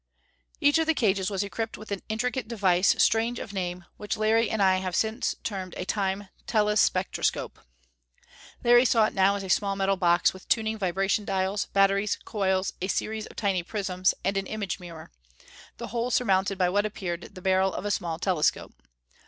Each of the cages was equipped with an intricate device, strange of name, which Larry and I have since termed a Time telespectroscope. Larry saw it now as a small metal box, with tuning vibration dials, batteries, coils, a series of tiny prisms and an image mirror the whole surmounted by what appeared the barrel of a small telescope.